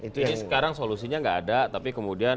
jadi sekarang solusinya gak ada tapi kemudian